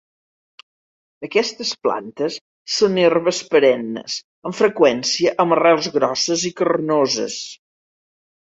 Aquestes plantes són herbes perennes, amb freqüència amb arrels grosses i carnoses.